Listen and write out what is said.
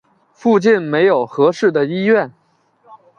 附近没有适合的医院